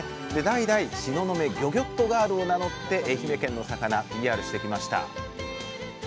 代々「しののめ魚魚っとガール」を名乗って愛媛県の魚ＰＲしてきました。